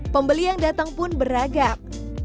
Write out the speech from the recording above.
pembeli yang datang pun beragam